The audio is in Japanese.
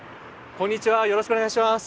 こんにちはよろしくお願いします。